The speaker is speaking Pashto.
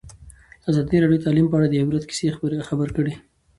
ازادي راډیو د تعلیم په اړه د عبرت کیسې خبر کړي.